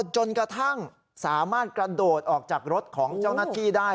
จนกระทั่งสามารถกระโดดออกจากรถของเจ้าหน้าที่ได้